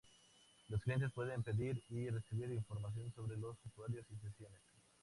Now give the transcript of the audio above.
Los clientes pueden pedir y recibir información sobre los usuarios y sesiones.